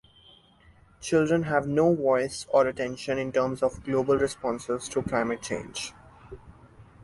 Children have no voice or attention in terms of global responses to climate change.